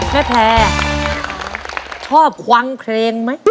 แพร่ชอบควังเพลงไหม